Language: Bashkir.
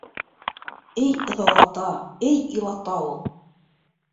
Эй ыҙалата, эй илата ул.